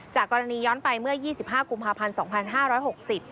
จากกรณีนี้ย้อนไปเมื่อ๒๕กุมภาพันธ์๒๕๖๐